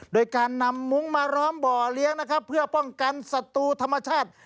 โดยการนำมุ้งมาล้อมบ่อเลี้ยงนะครับเพื่อป้องกันศัตรูธรรมชาติ